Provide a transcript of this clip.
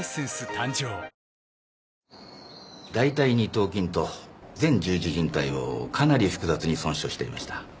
誕生大腿二頭筋と前十字靱帯をかなり複雑に損傷していました。